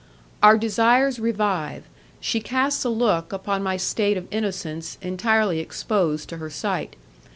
Our desires revive; she casts a look upon my state of innocence entirely exposed to her sight.